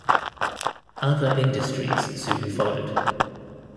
Other industries soon followed.